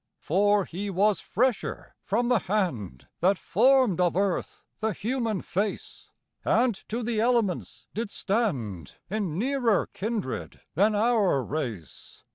For he was fresher from the hand That formed of earth the human face, And to the elements did stand In nearer kindred, than our race.